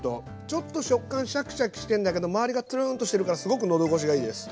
ちょっと食感シャキシャキしてんだけど周りがツルンとしてるからすごくのどごしがいいです。